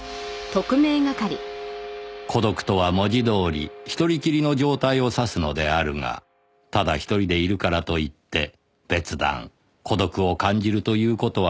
孤独とは文字どおり一人きりの状態を指すのであるがただ１人でいるからといって別段孤独を感じるという事はないものである